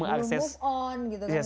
bergerak ke depan gitu kan misalnya